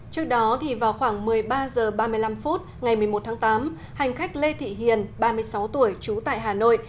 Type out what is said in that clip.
trước đó vào khoảng một mươi ba h ba mươi năm phút ngày một mươi một tháng tám hành khách lê thị hiền ba mươi sáu tuổi trú tại hà nội